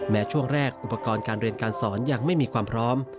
ช่วงแรกอุปกรณ์การเรียนการสอนยังไม่มีความพร้อม